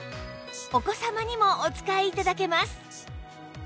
お子さまにもお使い頂けます